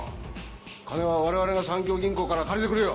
金は我々が三協銀行から借りてくるよ。